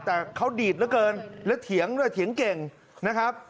แต่เขาดีดเหลือเกินและเถียงด้วยเถียงเก่งนะครับ